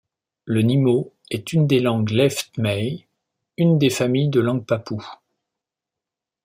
Le nimo est une des langues left may, une des familles de langues papoues.